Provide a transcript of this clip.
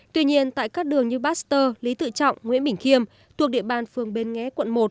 tuy nhiên tại các đường như baxter lý tự trọng nguyễn bỉnh khiêm thuộc địa bàn phương bên ngé quận một